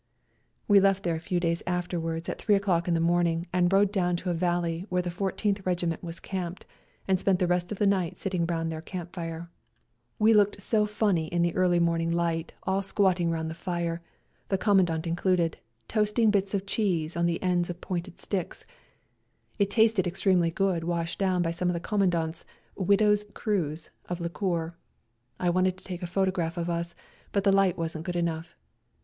We left there a few days afterwards at three o'clock in the morning and rode down to a valley where the Fourteenth Regi ment were camped, and spent the rest of the night sitting round their camp fire. We looked so funny in the early morning GOOD BYE TO SERBIA 119 light all squatting round the fire, the Commandant included, toasting bits of cheese on the ends of pointed sticks ; it tasted extremely good washed down by some of the Commandant's " Widow's Cruse " of liqueur. I wanted to take a photograph of us, but the light wasn't good enough.